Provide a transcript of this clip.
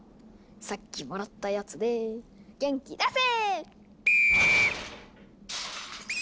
さっきもらったやつで元気出せ！